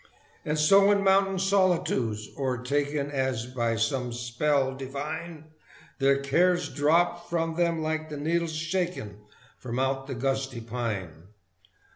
And so in mountain solitudes o'ertaken As by some spell divine Their cares dropped from them like the needles shaken From out the gusty pine.